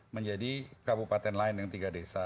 menjadi kabupaten lain yang tiga desa